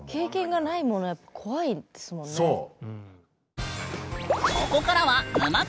そう！